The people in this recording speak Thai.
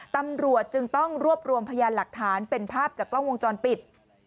ตำรวจจึงต้องรวบรวมพยานหลักฐานเป็นภาพจากกล้องวงจรปิด